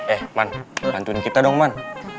eh man bantuin kita dong man